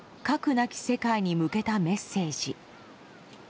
なき世界に向けたメッセージ。